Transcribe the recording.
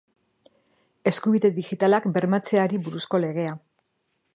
Eskubide Digitalak bermatzeari buruzko legea.